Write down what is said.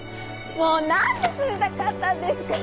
もう何で冷たかったんですか？